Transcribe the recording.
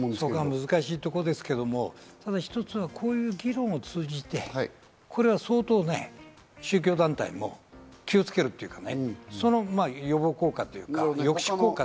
難しいところですが、こういう議論を通じてこれは相当ね、宗教団体も気をつけるというかね、その予防効果というか、抑止効果。